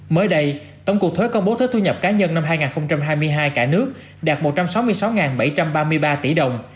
mới đây tổng cục thuế công bố thuế thu nhập cá nhân năm hai nghìn hai mươi hai cả nước đạt một trăm sáu mươi sáu bảy trăm ba mươi ba tỷ đồng